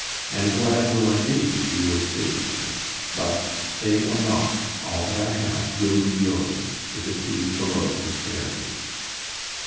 And glad will I be if you will stay with me. But, stay or not, all that I have will be yours, if it please the Lord to spare you."